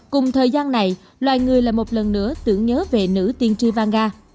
cùng thời gian này loài người lại một lần nữa tưởng nhớ về nữ tiên tri vanga